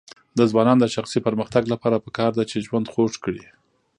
د ځوانانو د شخصي پرمختګ لپاره پکار ده چې ژوند خوږ کړي.